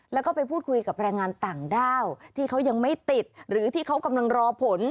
แล้วก็ไปพูดคุยกับแรงงานต่างด้าวที่เขายังไม่ติดหรือที่เขากำลังรอผล